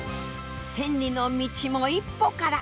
千里の道も一歩から。